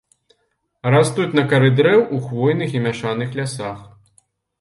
Растуць на кары дрэў у хвойных і мяшаных лясах.